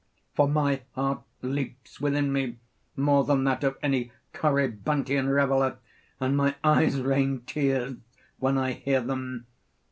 For my heart leaps within me more than that of any Corybantian reveller, and my eyes rain tears when I hear them.